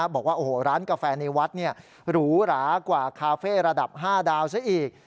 บอกว่าโอ้โหร้านกาแฟในวัดหรูหรากว่าคาเฟ่ระดับ๕ดาวซะอีก